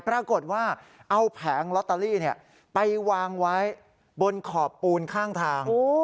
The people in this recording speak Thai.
ปรากฏว่าเอาแผงลอตเตอรี่ไปวางไว้บนขอบปูนข้างทาง